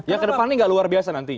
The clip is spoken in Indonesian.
ya ke depannya nggak luar biasa nantinya